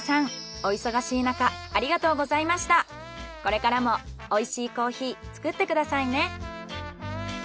お忙しいなかこれからも美味しいコーヒー作ってくださいね。